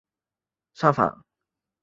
随后倪玉兰开始上访。